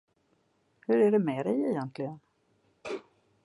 Hur är det med dig egentligen?